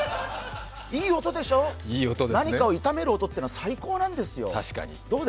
いい音でしょ、何かを炒める音というのは最高なんですよ。